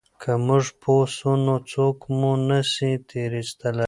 که موږ پوه سو نو څوک مو نه سي تېر ایستلای.